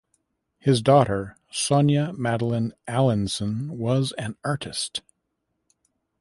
His daughter Sonya Madeleine Allinson was an artist.